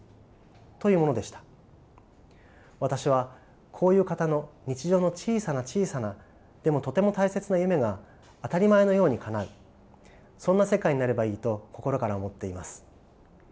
私はこういう方の日常の小さな小さなでもとても大切な夢が当たり前のようにかなうそんな世界になればいいと心から思っています。